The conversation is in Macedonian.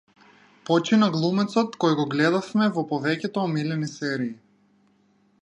Почина глумецот кој го гледавме во повеќето омилени серии